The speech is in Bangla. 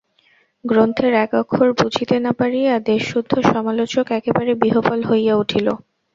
গ্রন্থের এক অক্ষর বুঝিতে না পারিয়া দেশসুদ্ধ সমালোচক একেবারে বিহ্বল হইয়া উঠিল।